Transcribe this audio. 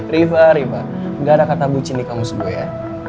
riva riva gak ada kata bucin di kamus gue ya